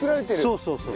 そうそうそう。